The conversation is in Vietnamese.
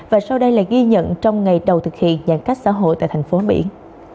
và sau đây là ghi nhận trong ngày đầu thực hiện giãn cách xã hội tại thành phố biển